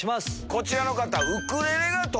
こちらの方。